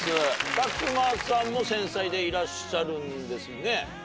たくまさんも繊細でいらっしゃるんですね？